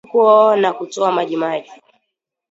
Mnuko na kutoa majimaji